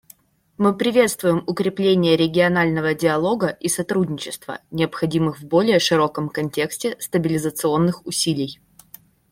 Мы приветствуем укрепление регионального диалога и сотрудничества, необходимых в более широком контексте стабилизационных усилий.